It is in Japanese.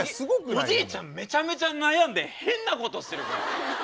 おじいちゃんめちゃめちゃ悩んで変なことしてる。